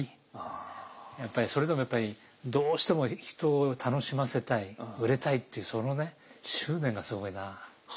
やっぱりそれでもやっぱりどうしても人を楽しませたい売れたいっていうそのね執念がすごいなあ。